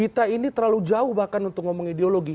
kita ini terlalu jauh bahkan untuk ngomong ideologi